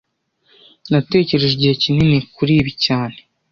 Nategereje igihe kinini kuri ibi cyane